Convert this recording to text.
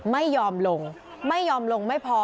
ไม่ยอมลงไม่ยอมลงไม่พอ